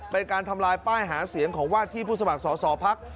เป็นการทำลายป้ายหาเสียงของวาดที่ผู้สมัครสอสอภักดิ์